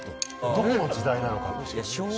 どこの時代なのか。